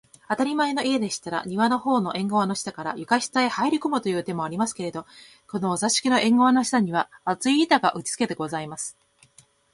あたりまえの家でしたら、庭のほうの縁がわの下から、床下へはいこむという手もありますけれど、このお座敷の縁がわの下には、厚い板が打ちつけてございます